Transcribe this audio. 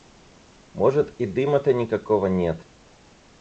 Может, и дыма-то никакого нет.